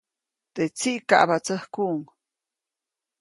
Teʼ tsiʼ kaʼbatsäjkuʼuŋ.